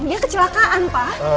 dia kecelakaan pa